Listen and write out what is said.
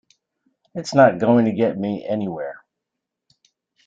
It's not going to get me anywhere.